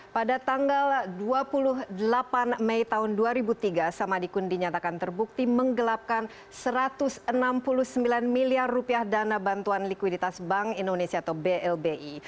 pada tanggal dua puluh delapan mei tahun dua ribu tiga samadikun dinyatakan terbukti menggelapkan rp satu ratus enam puluh sembilan miliar dana bantuan likuiditas bank indonesia atau blbi